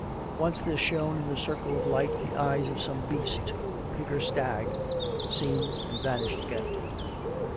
Once there shone in the circle of light the eyes of some beast — pig or stag ; seen and vanished again.